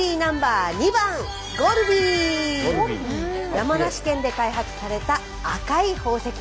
山梨県で開発された赤い宝石。